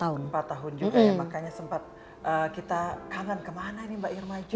empat tahun juga ya makanya sempat kita kangen kemana nih mbak irmaji